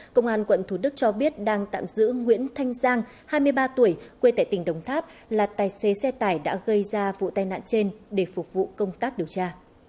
công an quận thủ đức cho biết đang tạm giữ nguyễn thanh giang hai mươi ba tuổi quê tại tỉnh đồng tháp là tài xế xe tải đã gây ra vụ tai nạn trên để phục vụ công tác điều tra